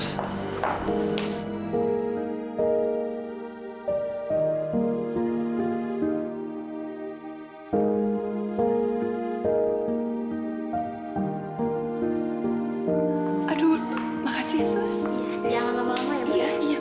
sudah terima kasih